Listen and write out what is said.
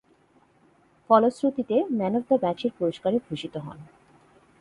ফলশ্রুতিতে man of the ম্যাচের পুরস্কারে ভূষিত হন।